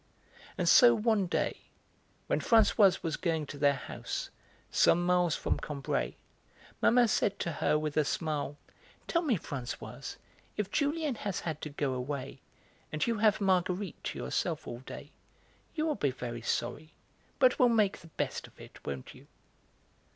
And so one day, when Françoise was going to their house, some miles from Combray, Mamma said to her, with a smile: "Tell me, Françoise, if Julien has had to go away, and you have Marguerite to yourself all day, you will be very sorry, but will make the best of it, won't you?"